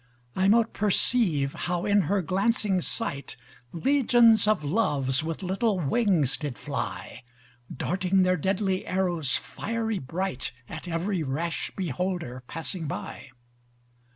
I mote perceive how in her glancing sight, Legions of loves with little wings did fly: Darting their deadly arrows fiery bright, At every rash beholder passing by.